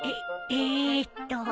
えーっと。